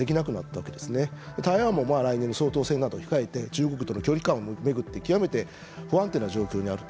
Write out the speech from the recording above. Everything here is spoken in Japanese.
台湾も来年の総統選などを控えて中国との距離感を巡って極めて不安定な状況にある。